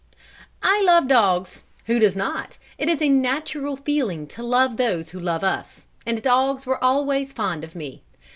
I love dogs. Who does not? It is a natural feeling to love those who love us; and dogs were always fond of me.